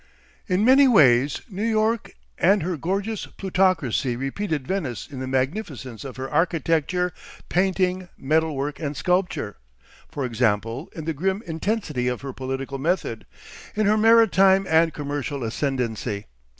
In many ways New York and her gorgeous plutocracy repeated Venice in the magnificence of her architecture, painting, metal work and sculpture, for example, in the grim intensity of her political method, in her maritime and commercial ascendancy.